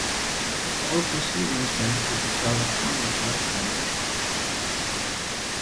All proceeds went to the California Fire Foundation.